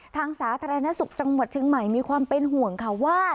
สาธารณสุขจังหวัดเชียงใหม่มีความเป็นห่วงค่ะว่า